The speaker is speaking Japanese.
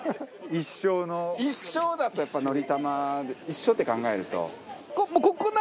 一生だったらやっぱりのりたま一生って考えると。